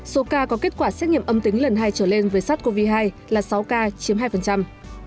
số ca có kết quả xét nghiệm âm tính lần hai trở lên với sars cov hai là sáu ca chiếm hai